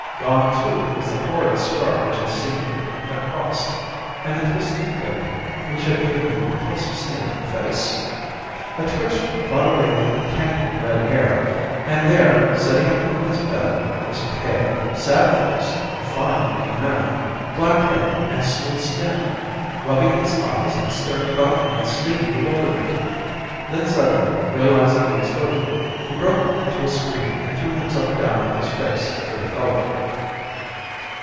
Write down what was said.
Gone, too, was the horrid scar which had seamed it across, and the twisted lip which had given the repulsive sneer to the face! A twitch brought away the tangled red hair, and there, sitting up in his bed, was a pale, sad faced, refined looking man, black haired and smooth skinned, rubbing his eyes and staring about him with sleepy bewilderment. Then suddenly realising the exposure, he broke into a scream and threw himself down with his face to the pillow.